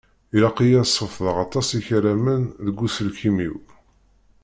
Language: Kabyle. Ilaq-iyi ad sefḍeɣ aṭas ikaramen deg uselkim-iw.